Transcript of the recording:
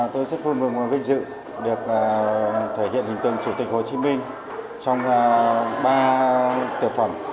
tôi rất vui mừng vinh dự được thể hiện hình tượng chủ tịch hồ chí minh trong ba tiểu phẩm